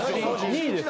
２位です